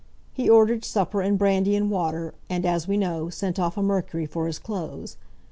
He ordered supper and brandy and water, and, as we know, sent off a Mercury for his clothes.